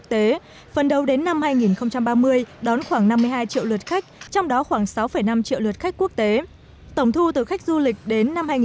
trong đó có khoảng ba mươi bốn triệu lượt khách trong đó có khoảng ba năm triệu lượt khách quốc tế